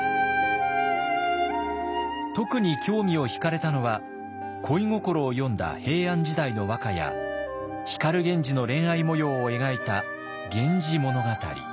特に興味を引かれたのは恋心を詠んだ平安時代の和歌や光源氏の恋愛もようを描いた「源氏物語」。